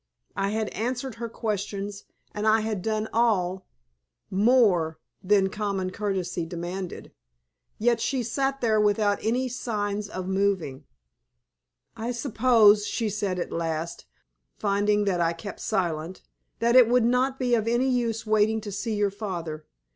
I had answered her questions, and I had done all more than common courtesy demanded. Yet she sat there without any signs of moving. "I suppose," she said at last, finding that I kept silent, "that it would not be of any use waiting to see your father.